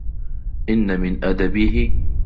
إنَّ مِنْ أَدَبِهِ